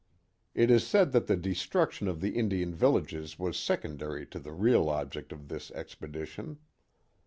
It is said that the destruction of the Indian villages was secondary to the real object of this expedition.